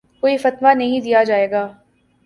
کوئی فتویٰ نہیں دیا جائے گا